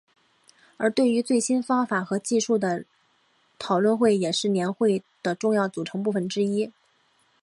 而对于最新方法和技术的讨论会也是年会的重要组成部分之一。